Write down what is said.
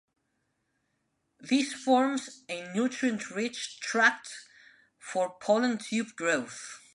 This forms a nutrient rich tract for pollen tube growth.